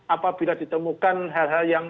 apabila ditemukan hal hal yang